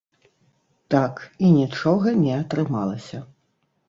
Так, і нічога не атрымалася.